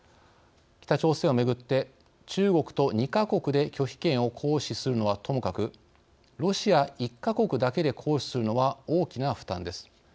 北朝鮮を巡って中国と２か国で拒否権を行使するのはともかくロシア１か国だけで行使するのは大きな負担です。